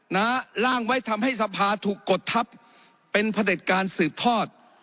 ร่างไว้ทำให้สภาถูกกดทัพเป็นผลิตการสืบทอด